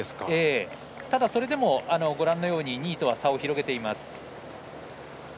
ただ、それでもご覧のように２位とは差を広げています。